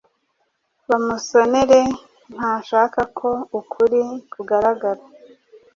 Bamusonere ntashaka ko ukuri kugaragara.